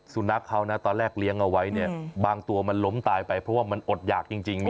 สุนัขเขานะตอนแรกเลี้ยงเอาไว้เนี่ยบางตัวมันล้มตายไปเพราะว่ามันอดหยากจริง